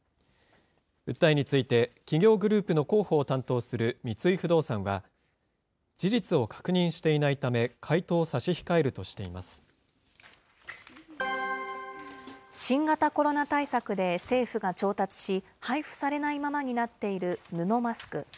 訴えについて企業グループの広報を担当する三井不動産は、事実を確認していないため、回答を差し新型コロナ対策で政府が調達し、配布されないままになっている布マスク。